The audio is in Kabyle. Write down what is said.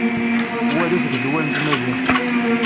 Wa d asegzawal n tmaziɣt.